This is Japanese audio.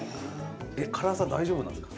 えっ辛さ大丈夫なんですか？